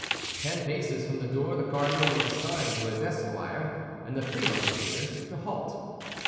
Ten paces from the door the cardinal made a sign to his esquire and the three Musketeers to halt.